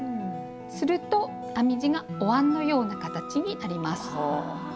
すると編み地がおわんのような形になります。